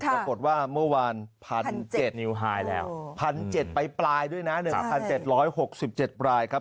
ปรากฏว่าเมื่อวาน๑๗๐๐ไปปลายด้วยนะ๑๗๖๗ปลายครับ